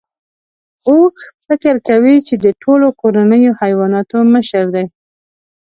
اوښ فکر کوي چې د ټولو کورنیو حیواناتو مشر دی.